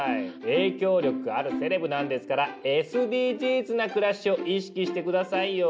影響力があるセレブなんですから「ＳＢＧｓ」な暮らしを意識して下さいよ！